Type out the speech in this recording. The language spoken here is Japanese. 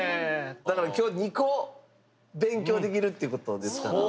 だから今日２個勉強できるっていうことですから。